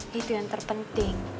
kerja lagi itu yang terpenting